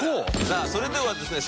さあそれではですね